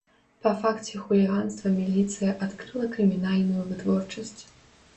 Па факце хуліганства міліцыя адкрыла крымінальную вытворчасць.